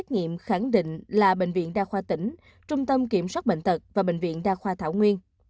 xét nghiệm khẳng định là bệnh viện đa khoa tỉnh trung tâm kiểm soát bệnh tật và bệnh viện đa khoa thảo nguyên